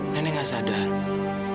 nenek gak sadar